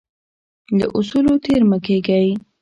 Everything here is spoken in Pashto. له اصولو تیر مه کیږئ.